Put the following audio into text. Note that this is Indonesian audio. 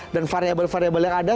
dan variabel variabel yang ada